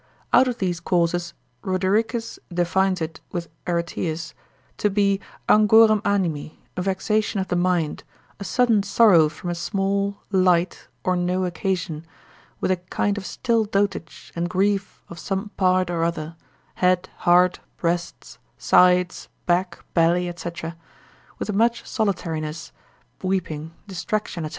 Out of these causes Rodericus defines it with Areteus, to be angorem animi, a vexation of the mind, a sudden sorrow from a small, light, or no occasion, with a kind of still dotage and grief of some part or other, head, heart, breasts, sides, back, belly, &c., with much solitariness, weeping, distraction, &c.